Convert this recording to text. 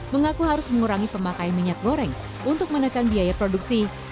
mengaku harus mengurangi pemakaian minyak goreng untuk menekan biaya produksi